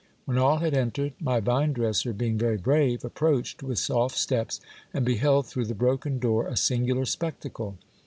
When all had entered, my vine dresser, being very brave, approached with soft steps, and beheld through the broken door a singular spectacle.